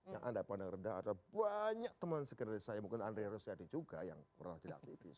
yang anda pandang rendah ada banyak teman sekenario saya mungkin andre rosiade juga yang pernah jadi aktivis